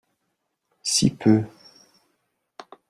Si peu